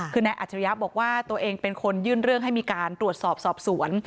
คือนายอัจฉริยะบอกว่าตัวเองเป็นคนยื่นเรื่องให้มีการตรวจสอบสอบสวน